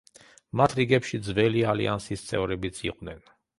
მათ რიგებში ძველი ალიანსის წევრებიც იყვნენ.